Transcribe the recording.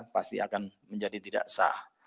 pasti akan menjadi tidak sah